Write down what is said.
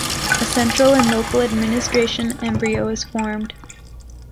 A central and local administration embryo is formed.